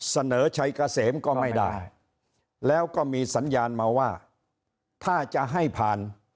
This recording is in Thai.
เสนอชัยเกษมก็ไม่ได้แล้วก็มีสัญญาณมาว่าถ้าจะให้ผ่าน